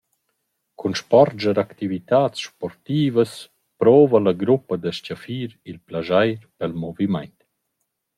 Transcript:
Cun spordscher activitats sportivas prouva la gruppa da s-chaffir il plaschair pel movimaint.